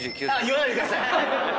言わないでください！